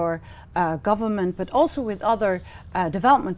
rất thông thường